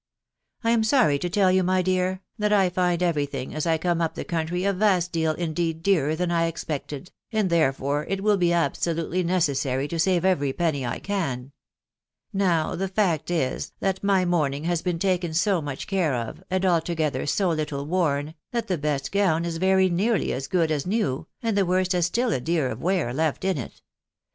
I am sorry to tell you, my dear, that I find every thing as I come up the country a vast deal indeed dearer than I expected, and therefore it will be absolutely necessary to save every penny I can. Now the fact is, that my mourning has been taken so much care of, and altogether so little worn, that the best gown is very nearly as good as new, and the worst has still a deal of wear left in it.